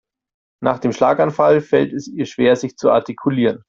Nach dem Schlaganfall fällt es ihr schwer sich zu artikulieren.